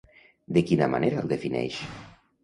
De quina manera el defineix?